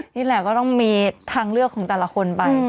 นี่แหละก็ต้องมีทางเลือกของแต่ละคนไป